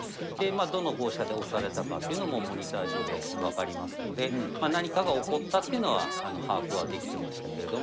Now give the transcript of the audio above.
どの号車で押されたかというのも、モニター上で分かりますので、何かが起こったっていうのは、把握はできてましたけれども。